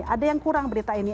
ada yang kurang berita ini